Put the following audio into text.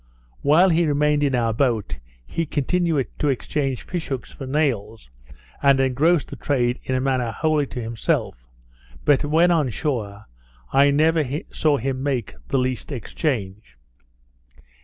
While he remained in our boat, he continued to exchange fish hooks for nails, and engrossed the trade in a manner wholly to himself; but, when on shore, I never saw him make the least exchange.